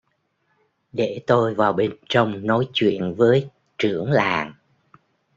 Để tôi vào bên trong nói chuyện với trưởng làng